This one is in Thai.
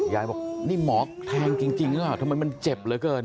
ยายบอกนี่หมอแทงจริงหรือเปล่าทำไมมันเจ็บเหลือเกิน